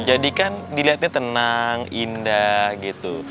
jadi kan dilihatnya tenang indah gitu